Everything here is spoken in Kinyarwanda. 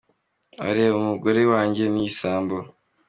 Ati “abareba umugore wanjye ni ibisambo.